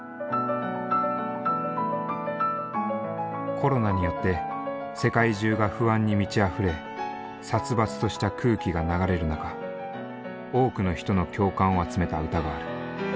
コロナによって世界中が不安に満ちあふれ殺伐とした空気が流れる中多くの人の共感を集めた歌がある。